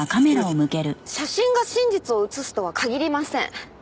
写真が真実を写すとは限りません。